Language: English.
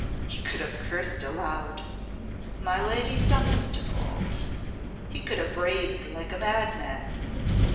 He could have cursed aloud. My Lady Dunstanwolde! He could have raved like a madman.